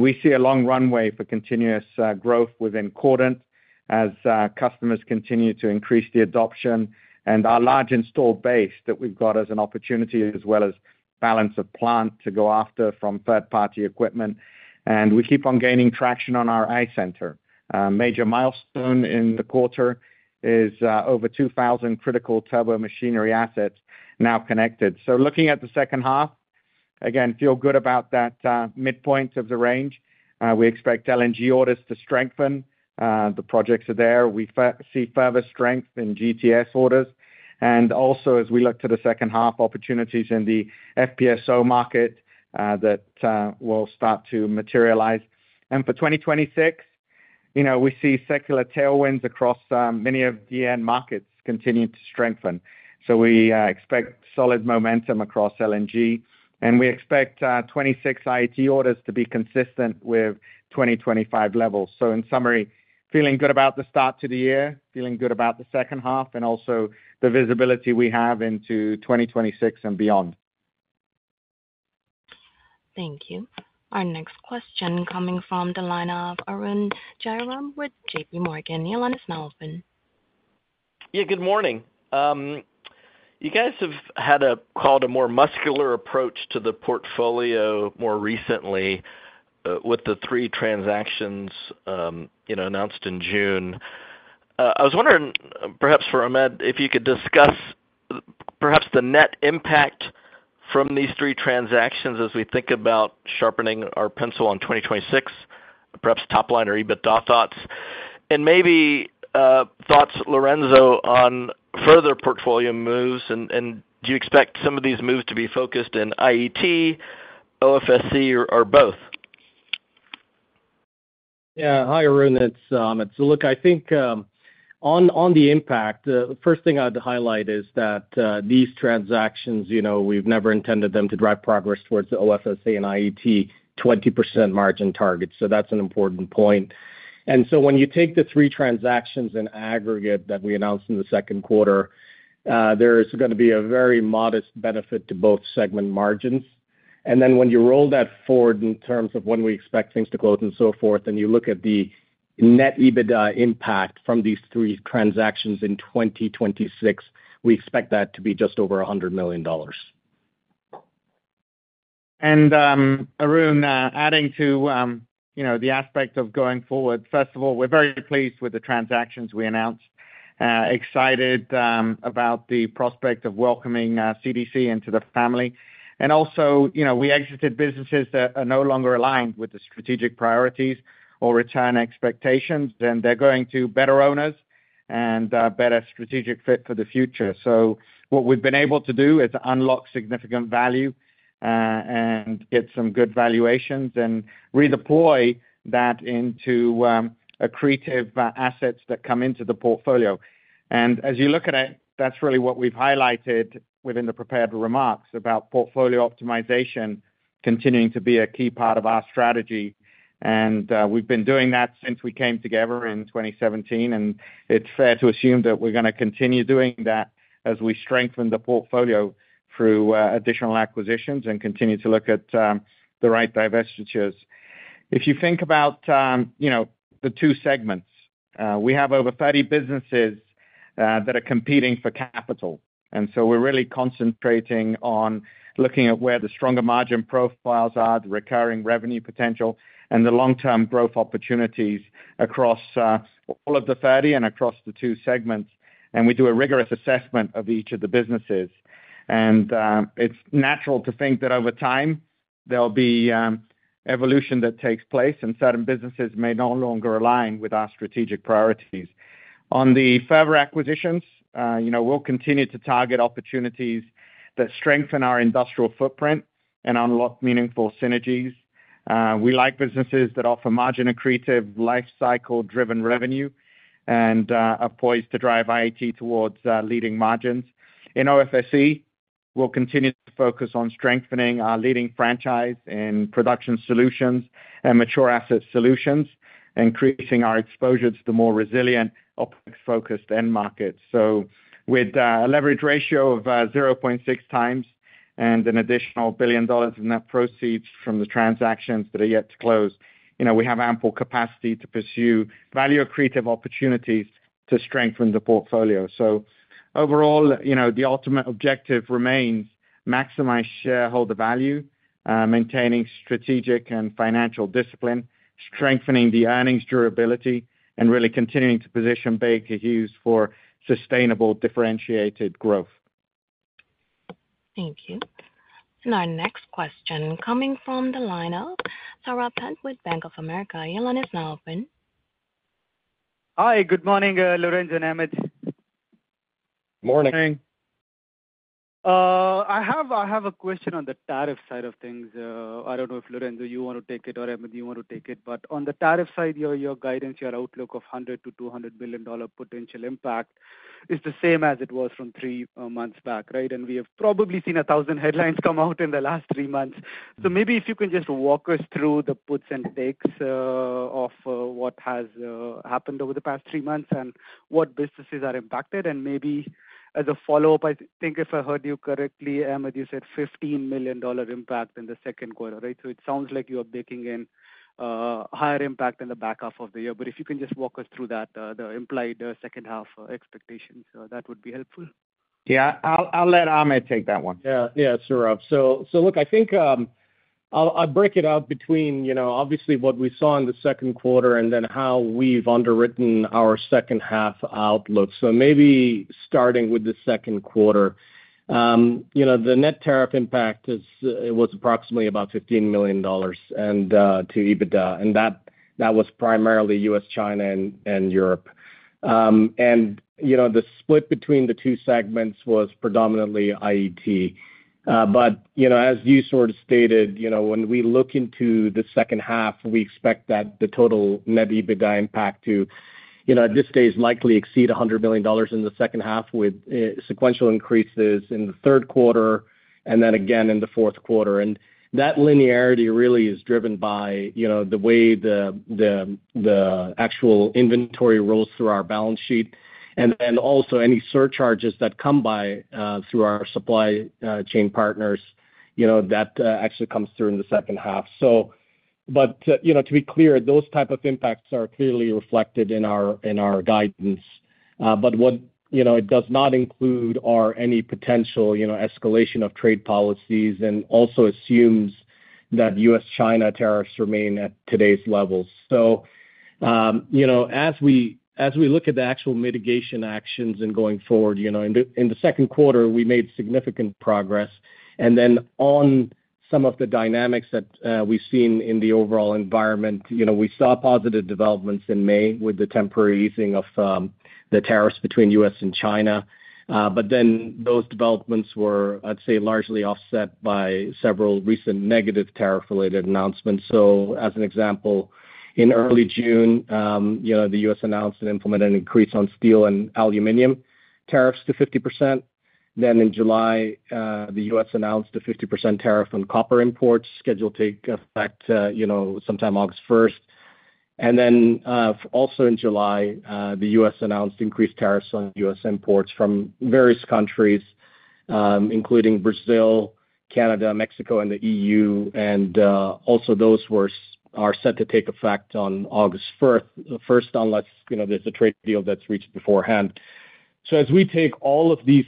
We see a long runway for continuous growth within Cordon as customers continue to increase the adoption and our large installed base that we've got as an opportunity, as well as balance of plant to go after from third-party equipment. We keep on gaining traction on our A center. Major milestone in the quarter is over 2,000 critical turbo machinery assets now connected. Looking at the second half, again, feel good about that midpoint of the range. We expect LNG orders to strengthen. The projects are there. We see further strength in GTS orders. Also, as we look to the second half, opportunities in the FPSO market that will start to materialize. For 2026, we see secular tailwinds across many of the end markets continue to strengthen. We expect solid momentum across LNG. We expect 2026 IET orders to be consistent with 2025 levels. In summary, feeling good about the start to the year, feeling good about the second half, and also the visibility we have into 2026 and beyond. Thank you. Our next question coming from the line of Arun Jayaram with JPMorgan, your line is open. Yeah, good morning. You guys have had a more muscular approach to the portfolio more recently with the three transactions announced in June. I was wondering, perhaps for Ahmed, if you could discuss perhaps the net impact from these three transactions as we think about sharpening our pencil on 2026, perhaps top-line or EBITDA thoughts. Maybe thoughts, Lorenzo, on further portfolio moves. Do you expect some of these moves to be focused in IET, OFSE, or both? Yeah. Hi, Arun. It's, look, I think on the impact, the first thing I'd highlight is that these transactions, we've never intended them to drive progress towards the OFSE and IET 20% margin targets. That's an important point. When you take the three transactions in aggregate that we announced in the second quarter, there's going to be a very modest benefit to both segment margins. When you roll that forward in terms of when we expect things to close and so forth, and you look at the net EBITDA impact from these three transactions in 2026, we expect that to be just over $100 million. Arun, adding to. The aspect of going forward, first of all, we're very pleased with the transactions we announced. Excited about the prospect of welcoming CDC into the family. Also, we exited businesses that are no longer aligned with the strategic priorities or return expectations, and they're going to better owners and better strategic fit for the future. What we've been able to do is unlock significant value and get some good valuations and redeploy that into accretive assets that come into the portfolio. As you look at it, that's really what we've highlighted within the prepared remarks about portfolio optimization continuing to be a key part of our strategy. We've been doing that since we came together in 2017, and it's fair to assume that we're going to continue doing that as we strengthen the portfolio through additional acquisitions and continue to look at the right divestitures. If you think about the two segments, we have over 30 businesses that are competing for capital. We're really concentrating on looking at where the stronger margin profiles are, the recurring revenue potential, and the long-term growth opportunities across all of the 30 and across the two segments. We do a rigorous assessment of each of the businesses, and it's natural to think that over time, there'll be evolution that takes place, and certain businesses may no longer align with our strategic priorities. On the further acquisitions, we'll continue to target opportunities that strengthen our industrial footprint and unlock meaningful synergies. We like businesses that offer margin accretive, lifecycle-driven revenue, and are poised to drive IET towards leading margins. In OFSE, we'll continue to focus on strengthening our leading franchise in production solutions and mature asset solutions, increasing our exposure to the more resilient opex-focused end markets. With a leverage ratio of 0.6 times and an additional $1 billion in net proceeds from the transactions that are yet to close, we have ample capacity to pursue value-accretive opportunities to strengthen the portfolio. Overall, the ultimate objective remains to maximize shareholder value, maintaining strategic and financial discipline, strengthening the earnings durability, and really continuing to position Baker Hughes for sustainable differentiated growth. Thank you. Our next question coming from the line of Sarapen with Bank of America, your line is open. Hi, good morning, Lorenzo and Ahmed. Morning. Morning. I have a question on the tariff side of things. I don't know if Lorenzo, you want to take it, or Ahmed, you want to take it. On the tariff side, your guidance, your outlook of $100 billion-$200 billion potential impact is the same as it was from three months back, right? We have probably seen a thousand headlines come out in the last three months. Maybe if you can just walk us through the puts and takes of what has happened over the past three months and what businesses are impacted. Maybe as a follow-up, I think if I heard you correctly, Ahmed, you said $15 million impact in the second quarter, right? It sounds like you are baking in higher impact in the back half of the year. If you can just walk us through that, the implied second half expectations, that would be helpful. Yeah, I'll let Ahmed take that one. Yeah, sure. Look, I think I'll break it out between, obviously, what we saw in the second quarter and then how we've underwritten our second half outlook. Maybe starting with the second quarter, the net tariff impact was approximately about $15 million to EBITDA. That was primarily U.S., China, and Europe. The split between the two segments was predominantly IET. As you sort of stated, when we look into the second half, we expect that the total net EBITDA impact to, at this stage, likely exceed $100 million in the second half with sequential increases in the third quarter and then again in the fourth quarter. That linearity really is driven by the way the actual inventory rolls through our balance sheet and then also any surcharges that come by through our supply chain partners, that actually comes through in the second half. To be clear, those types of impacts are clearly reflected in our guidance. What it does not include are any potential escalation of trade policies and also assumes that U.S.-China tariffs remain at today's levels. As we look at the actual mitigation actions and going forward, in the second quarter, we made significant progress. On some of the dynamics that we've seen in the overall environment, we saw positive developments in May with the temporary easing of the tariffs between U.S. and China. Those developments were, I'd say, largely offset by several recent negative tariff-related announcements. As an example, in early June, the U.S. announced and implemented an increase on steel and aluminum tariffs to 50%. In July, the U.S. announced a 50% tariff on copper imports scheduled to take effect sometime August 1. Also in July, the U.S. announced increased tariffs on U.S. imports from various countries, including Brazil, Canada, Mexico, and the EU. Those are set to take effect on August 1st, unless there's a trade deal that's reached beforehand. As we take all of these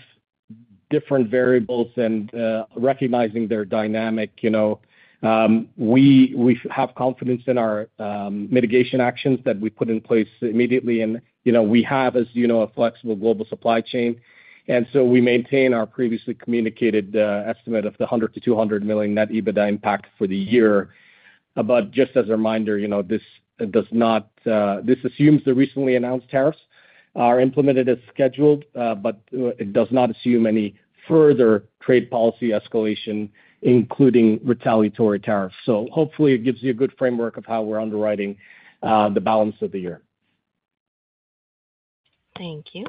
different variables and recognizing their dynamic, we have confidence in our mitigation actions that we put in place immediately. We have, as you know, a flexible global supply chain. We maintain our previously communicated estimate of the $100 million-$200 million net EBITDA impact for the year. Just as a reminder, this assumes the recently announced tariffs are implemented as scheduled, but it does not assume any further trade policy escalation, including retaliatory tariffs. Hopefully, it gives you a good framework of how we're underwriting the balance of the year. Thank you.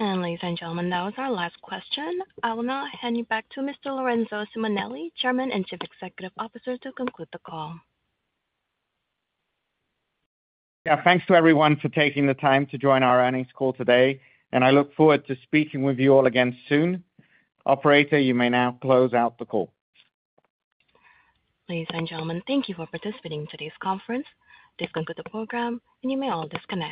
Ladies and gentlemen, that was our last question. I will now hand you back to Mr. Lorenzo Simonelli, Chairman and Chief Executive Officer, to conclude the call. Yeah, thanks to everyone for taking the time to join our earnings call today. I look forward to speaking with you all again soon. Operator, you may now close out the call. Ladies and gentlemen, thank you for participating in today's conference. This concludes the program, and you may all disconnect.